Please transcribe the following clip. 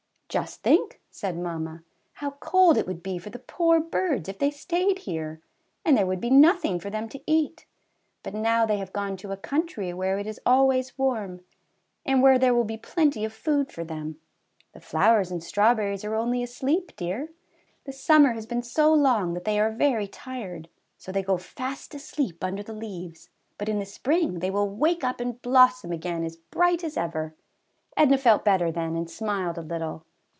"Just think," said mamma, "how cold it would be for the poor birds if they stayed here ! and there would be nothing for them to eat. But now they have gone to a country where it is always warm, and where there will be plenty of food for them. The flowers and strawberries are only asleep, dear. The summer has been so long that they are very tired, so they go fast asleep under the leaves, but in the spring they willwakeupandblossomagainasbrightasever." Edna felt better then and smiled a little.